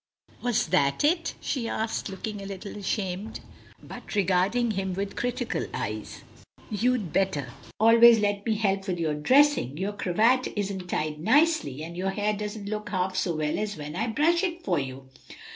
"Was that it?" she asked, looking a little ashamed. "But," regarding him with critical eyes, "you'd better always let me help with your dressing; your cravat isn't tied nicely, and your hair doesn't look half so well as when I brush it for you."